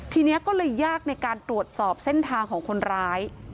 ทีนี้ก็เลยยากในการตรวจสอบเส้นทางของคนร้าย